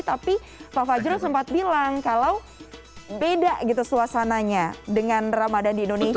tapi pak fajrul sempat bilang kalau beda gitu suasananya dengan ramadhan di indonesia